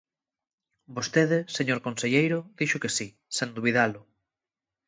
Vostede, señor conselleiro, dixo que si, sen dubidalo.